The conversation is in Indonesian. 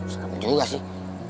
seram juga sih